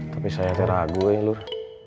tapi saya tuh ragu ya lur